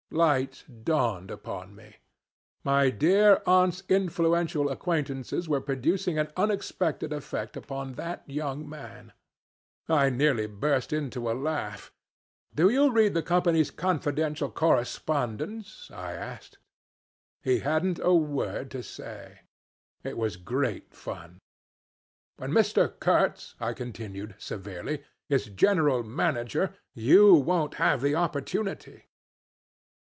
Light dawned upon me. My dear aunt's influential acquaintances were producing an unexpected effect upon that young man. I nearly burst into a laugh. 'Do you read the Company's confidential correspondence?' I asked. He hadn't a word to say. It was great fun. 'When Mr. Kurtz,' I continued severely, 'is General Manager, you won't have the opportunity.'